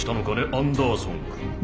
アンダーソンくん。